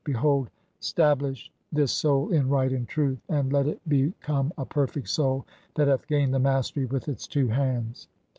Behold, sta "blish this soul in right and truth, (18) [and let it be "come] a perfect soul that hath gained the mastery with its "two hands.